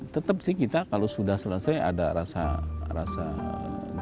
tetap sih kita kalau sudah selesai ada rasa galau terbayang